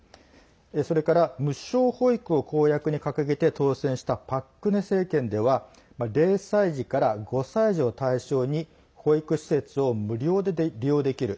それから、無償保育を公約に掲げて、当選したパク・クネ政権では０歳児から５歳児を対象に保育施設を無料で利用できる。